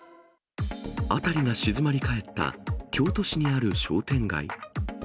辺りが静まり返った京都市にある商店街。